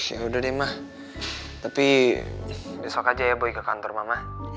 ya udah deh mah tapi besok aja ya pergi ke kantor mama